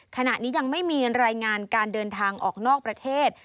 ขณะนี้ยังไม่มีรายงานการเดินทางออกนอกประเทศ